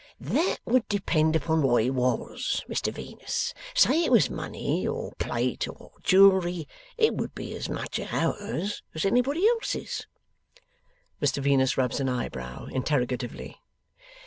'That would depend upon what it was, Mr Venus. Say it was money, or plate, or jewellery, it would be as much ours as anybody else's.' Mr Venus rubs an eyebrow, interrogatively.